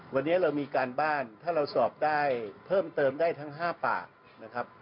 วันนี้เรามีการบ้านถ้าเราสอบได้เพิ่มเติมได้ทั้ง๕ปากนะครับ